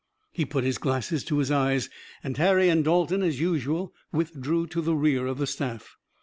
He put his glasses to his eyes and Harry and Dalton as usual withdrew to the rear of the staff.